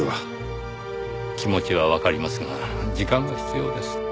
気持ちはわかりますが時間が必要です。